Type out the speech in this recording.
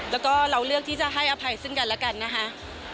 แล้วก็เราเลือกที่จะให้อภัยซึ่งกันแล้วกันนะคะ